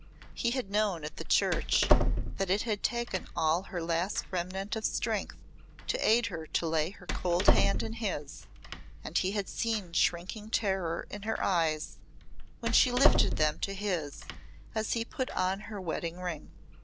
He had known at the church that it had taken all her last remnant of strength to aid her to lay her cold hand in his and he had seen shrinking terror in her eyes when she lifted them to his as he put on her wedding ring.